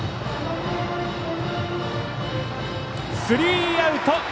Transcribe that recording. スリーアウト。